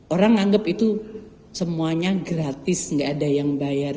orang anggap itu semuanya gratis nggak ada yang bayar